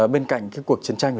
bên cạnh cuộc chiến tranh